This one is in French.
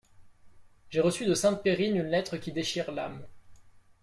J'ai reçu de Sainte-Périne une lettre qui déchire l'âme.